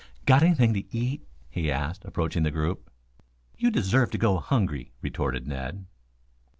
"Got anything to eat?" he asked, approaching the group. "You deserve to go hungry," retorted Ned.